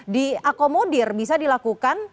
diakomodir bisa dilakukan